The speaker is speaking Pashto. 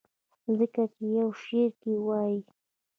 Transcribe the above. ځکه چې يو شعر کښې وائي :